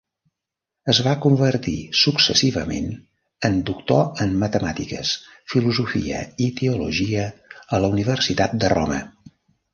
Es va convertir successivament en doctor en matemàtiques, filosofia i teologia a la Universitat de Roma.